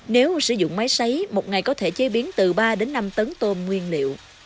nếu sử dụng máy xấy một ngày có thể chế biến từ ba đến năm tấn tôm nguyên liệu